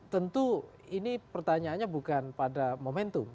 tentu ini pertanyaannya bukan pada momentum